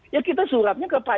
ya kita suratnya ke pak